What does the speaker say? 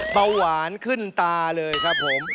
เบาหวานขึ้นตาเลยครับผม